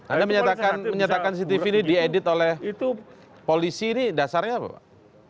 anda menyatakan cctv ini diedit oleh polisi ini dasarnya apa pak